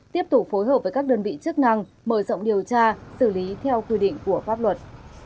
tiếp tục phối hợp với các đơn vị chức năng mở rộng điều tra xử lý theo quy định của pháp luật